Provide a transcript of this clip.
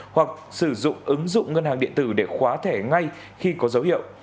hoặc sử dụng ứng dụng ngân hàng điện tử để khóa thẻ ngay khi có dấu hiệu